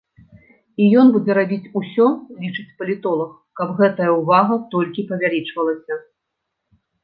І ён будзе рабіць усё, лічыць палітолаг, каб гэтая ўвага толькі павялічвалася.